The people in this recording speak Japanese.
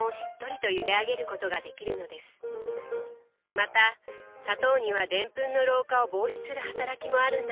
また砂糖にはデンプンの老化を防止する働きもあるんだとか。